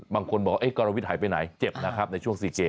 บางคนบอกกรวิทย์หายไปไหนเจ็บนะครับในช่วง๔เกม